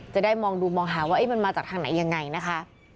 จะได้มองดูมองหาว่ามันมาจากทางไหนยังไงนะคะ